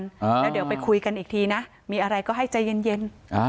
แล้วเดี๋ยวไปคุยกันอีกทีนะมีอะไรก็ให้ใจเย็นเย็นอ่า